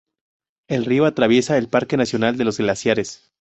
El río atraviesa el Parque nacional de los Glaciares.